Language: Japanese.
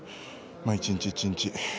一日一日。